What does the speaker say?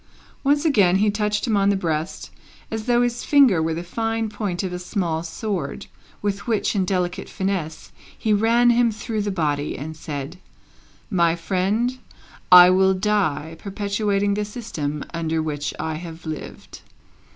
Once again he touched him on the breast, as though his finger were the fine point of a small sword, with which, in delicate finesse, he ran him through the body, and said, "My friend, I will die, perpetuating the system under which I have lived."